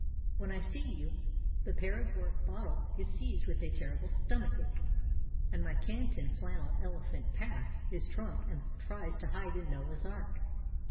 When I see you the paregoric bottle is seized with a terrible stomach ache, and my canton flannel elephant packs his trunk and tries to hide in Noah's Ark."